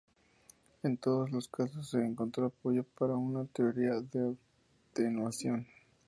En todos los casos, se encontró apoyo para una teoría de atenuación.